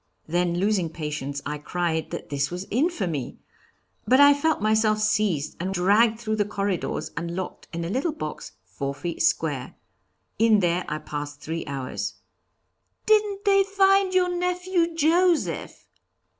Then, losing patience, I cried that this was infamy! But I felt myself seized and dragged through the corridors and locked in a little box four feet square. In there I passed three hours." "Didn't they find your nephew Joseph?"